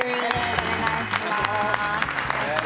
お願いします。